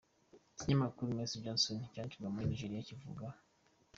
Ikinyamakuru Mercy Johnson cyandikirwa muri Nigeria kivuga.